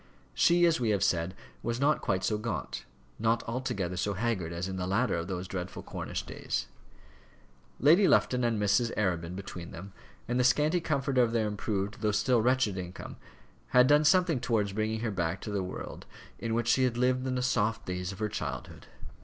She, as we have said, was not quite so gaunt, not altogether so haggard as in the latter of those dreadful Cornish days. Lady Lufton and Mrs. Arabin between them, and the scanty comfort of their improved, though still wretched income, had done something towards bringing her back to the world in which she had lived in the soft days of her childhood.